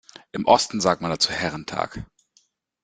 Im Osten sagt man dazu Herrentag.